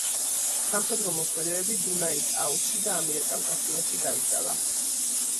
სამხედრო მოქმედებები დუნაის აუზში და ამიერკავკასიაში გაიშალა.